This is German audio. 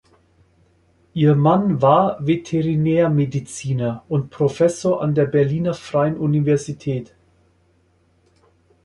Ihr Mann war Veterinärmediziner und Professor an der Berliner Freien Universität.